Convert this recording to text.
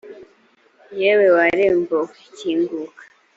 yewe wa rembo we kinguka